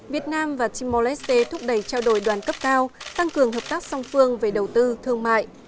việt nam và timor leste thúc đẩy trao đổi đoàn cấp cao tăng cường hợp tác song phương về đầu tư thương mại